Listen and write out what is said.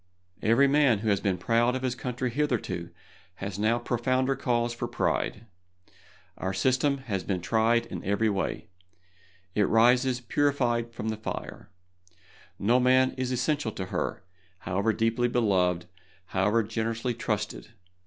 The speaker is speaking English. Every man who has been proud of his country hitherto has now profounder cause for pride. Our system has been tried in every way; it rises purified from the fire. No one man is essential to her, however deeply beloved, however generously trusted.